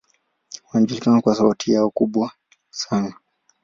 Wanajulikana kwa sauti yao kubwa sana.